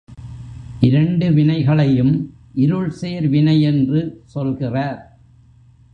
இரண்டு வினைகளையும் இருள்சேர் வினை என்று சொல்கிறார்.